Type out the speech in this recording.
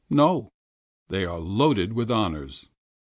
No, they are loaded with honors.